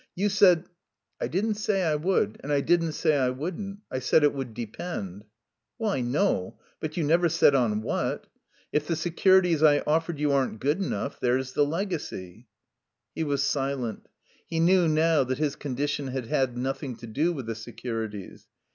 You said " "I didn't say I would. And I didn't say I wouldn't. I said it would depend." "I know. But you never said on what. If the securities I offered you aren't good enough, there's the legacy." He was silent. He knew now that his condition had had nothing to do with the securities.